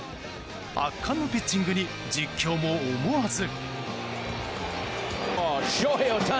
圧巻のピッチングに実況も思わず。